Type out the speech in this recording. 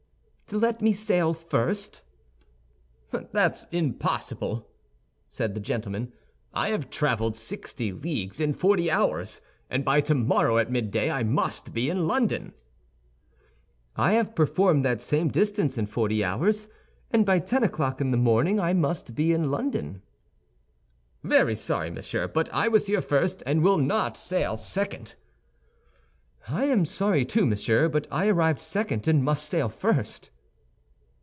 "To let me sail first." "That's impossible," said the gentleman; "I have traveled sixty leagues in forty hours, and by tomorrow at midday I must be in London." "I have performed that same distance in forty hours, and by ten o'clock in the morning I must be in London." "Very sorry, monsieur; but I was here first, and will not sail second." "I am sorry, too, monsieur; but I arrived second, and must sail first."